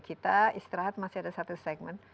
kita istirahat masih ada satu segmen